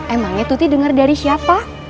emangnya tuti dengar dari siapa